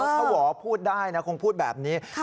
เออเพราะหวอพูดได้นะคงพูดแบบนี้ค่ะ